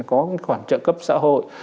có khoản trợ cấp xã hội